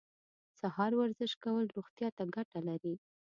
سهار ورزش کول روغتیا ته ګټه لري.